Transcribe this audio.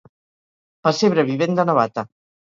Pessebre vivent de Navata.